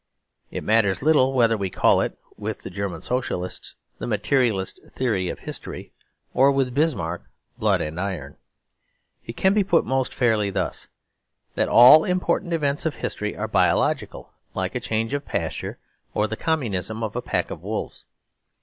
It matters little whether we call it, with the German Socialists, "the Materialist Theory of History"; or, with Bismarck, "blood and iron." It can be put most fairly thus: that all important events of history are biological, like a change of pasture or the communism of a pack of wolves.